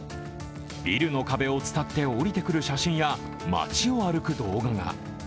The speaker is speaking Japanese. ビルの壁を伝って下りてくる写真や街を歩く動画が。